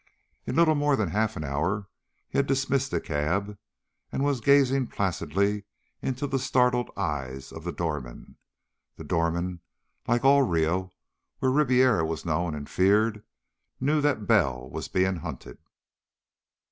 In little more than half an hour he had dismissed the cab and was gazing placidly into the startled eyes of the doorman. The doorman, like all of Rio where Ribiera was known and feared, knew that Bell was being hunted.